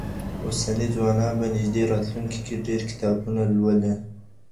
اوسني ځوانان به په نږدې راتلونکي کي ډېر کتابونه لولي.